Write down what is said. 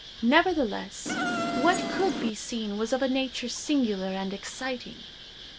Nevertheless, what could be seen was of a nature singular and exciting.